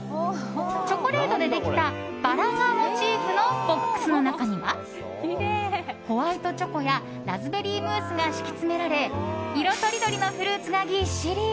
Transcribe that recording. チョコレートでできた、バラがモチーフのボックスの中にはホワイトチョコやラズベリームースが敷き詰められ色とりどりのフルーツがぎっしり。